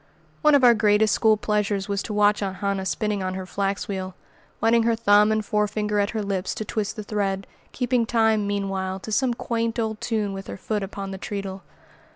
One of our greatest school pleasures was to watch Aunt Hannah spinning on her flax wheel, wetting her thumb and forefinger at her lips to twist the thread, keeping time, meanwhile, to some quaint old tune with her foot upon the treadle.